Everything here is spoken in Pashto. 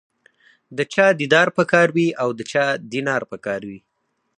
د چا دیدار په کار وي او د چا دینار په کار وي.